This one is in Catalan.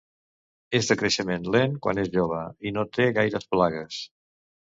És de creixement lent quan és jove, i no té gaires plagues.